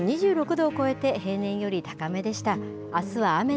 最高気温２６度を超えて、平年より高めでした。